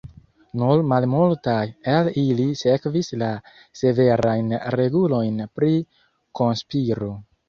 Nur malmultaj el ili sekvis la severajn regulojn pri konspiro.